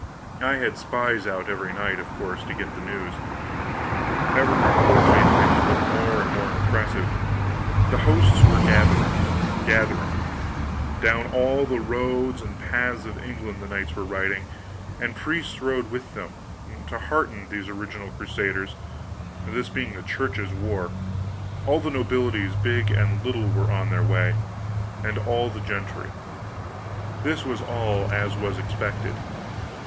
I had spies out every night, of course, to get news. Every report made things look more and more impressive. The hosts were gathering, gathering; down all the roads and paths of England the knights were riding, and priests rode with them, to hearten these original Crusaders, this being the Church's war. All the nobilities, big and little, were on their way, and all the gentry. This was all as was expected.